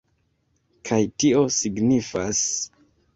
Kaj tio signifas